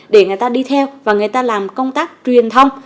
để người ta đi theo và người ta làm công tác truyền thông